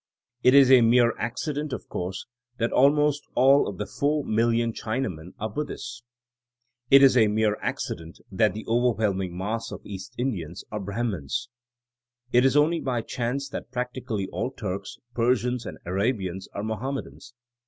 It is a mere accident, of course, that ahnost all of the 400,000,000 China men are Buddhists. It is a mere accident that the overwhelming mass of East Indians are Brahmans. It is only by chance that practi cally all Turks, Persians and Arabians are Mohammedans.